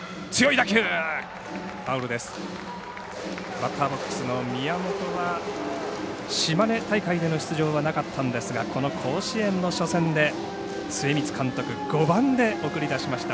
バッターボックスの宮本は、島根大会での出場はなかったんですがこの甲子園の初戦で末光監督、５番で送り出しました。